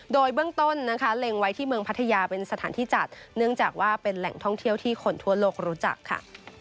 โดยเบื้องต้นนะคะเล็งไว้ที่เมืองพัทยาเป็นสถานที่จัดเนื่องจากว่าเป็นแหล่งท่องเที่ยวที่คนทั่วโลกรู้จักค่ะ